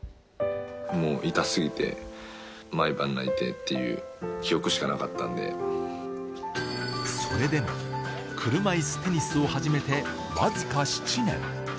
もう痛すぎて、毎晩泣いてっそれでも、車いすテニスを始めて僅か７年。